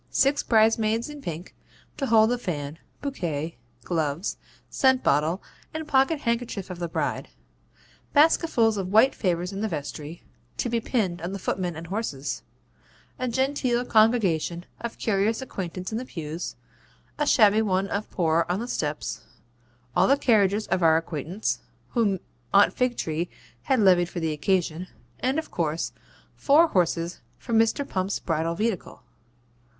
Six bridesmaids in pink, to hold the fan, bouquet, gloves, scent bottle, and pocket handkerchief of the bride; basketfuls of white favours in the vestry, to be pinned on to the footmen and horses; a genteel congregation of curious acquaintance in the pews, a shabby one of poor on the steps; all the carriages of all our acquaintance, whom Aunt Figtree had levied for the occasion; and of course four horses for Mr. Pump's bridal vehicle.